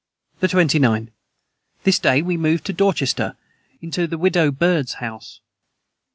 the 29. This day we moved to Dorchester into the widow Birds house.